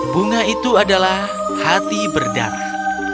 bunga itu adalah hati berdarah